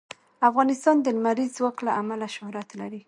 افغانستان د لمریز ځواک له امله شهرت لري.